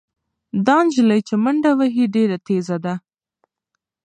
دا نجلۍ چې منډه وهي ډېره تېزه ده.